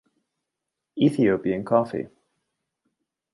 Ethiopian Coffee